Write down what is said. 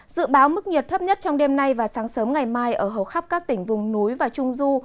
dự báo mức nhiệt thấp nhất trong đêm nay và sáng sớm ngày mai ở hầu khắp các tỉnh vùng núi và trung du